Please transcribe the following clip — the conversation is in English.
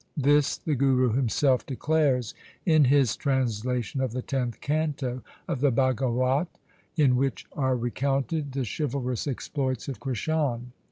This the Guru himself declares in his transla tion of the tenth canto of the Bhagawat, in which are recounted the chivalrous exploits of Krishan.